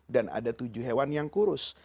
dan ada tujuh hewan yang kurus